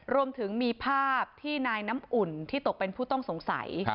รวมถึงมีภาพที่นายน้ำอุ่นที่ตกเป็นผู้ต้องสงสัย